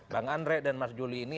bang andre dan mas juli ini